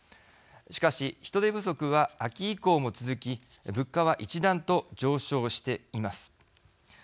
しかし、人手不足は秋以降も続き物価は一段と上昇しています。